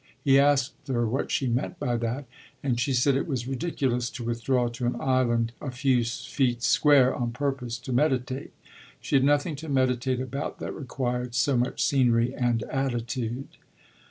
He asked her what she meant by that, and she said it was ridiculous to withdraw to an island a few feet square on purpose to meditate. She had nothing to meditate about that required so much scenery and attitude.